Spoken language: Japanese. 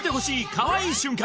かわいい瞬間